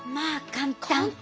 簡単！